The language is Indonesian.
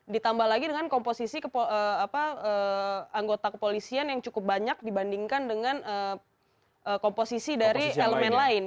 ditambah lagi dengan komposisi anggota kepolisian yang cukup banyak dibandingkan dengan komposisi dari elemen lain